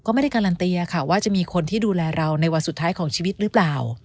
ก็ไม่ได้การันตีค่ะว่าจะมีคนที่ดูแลเราในวันสุดท้ายของชีวิตหรือเปล่า